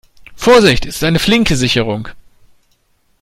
Vorsichtig, es ist eine flinke Sicherung.